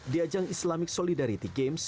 di ajang islamic solidarity games